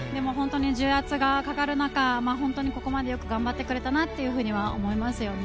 重圧がかかる中本当にここまでよく頑張ってくれたなと思いますよね。